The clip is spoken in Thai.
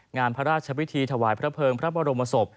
งานพระราชพิธีถวายพระเภิงพระบรมศพ